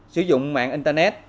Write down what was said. sử dụng mạng internet